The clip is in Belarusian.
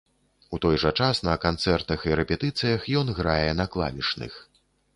У той жа час на канцэртах і рэпетыцыях ён грае на клавішных.